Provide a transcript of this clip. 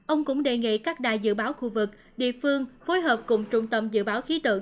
ông cũng đề nghị các đài dự báo khu vực địa phương phối hợp cùng trung tâm dự báo khí tượng